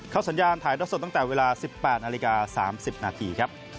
สัญญาณถ่ายท่อสดตั้งแต่เวลา๑๘นาฬิกา๓๐นาทีครับ